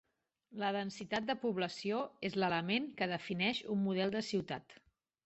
La densitat de població és l'element que defineix un model de ciutat.